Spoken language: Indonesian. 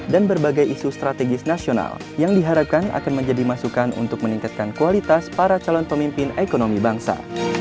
dan berbagai isu strategis nasional yang diharapkan akan menjadi masukan untuk meningkatkan kualitas para calon pemimpin ekonomi bangsa